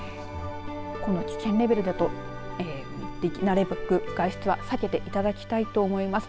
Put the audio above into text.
この危険レベルだとなるべく外出は避けていただきたいと思います。